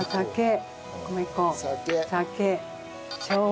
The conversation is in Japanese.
酒。